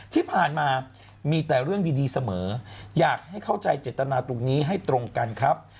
ที่ผ่านมามีแต่เรื่องดีเสมออยากให้เข้าใจเจตนาตรงนี้ให้ตรงกันครับ